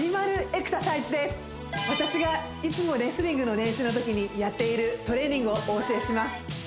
私がいつもレスリングの練習のときにやっているトレーニングをお教えします